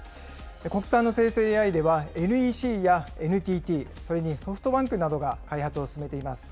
国産の生成ＡＩでは、ＮＥＣやＮＴＴ、それにソフトバンクなどが開発を進めています。